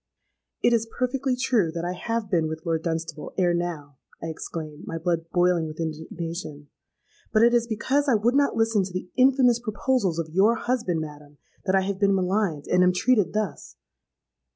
'—'It is perfectly true that I have been with Lord Dunstable ere now,' I exclaimed, my blood boiling with indignation: 'but it is because I would not listen to the infamous proposals of your husband, madam, that I have been maligned, and am treated thus.'